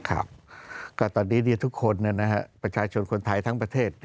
ก็ตอนนี้ทุกคนประชาชนคนไทยทั้งประเทศ